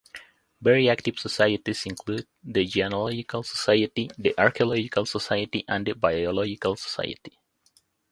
Very active societies include the Genealogical Society, the Archaeological Society, and the Biological Society.